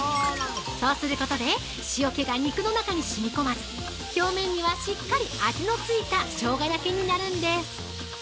そうすることで塩気が肉の中にしみ込まず表面にはしっかり味のついたしょうが焼きになるんです。